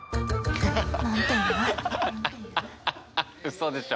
嘘でしょ？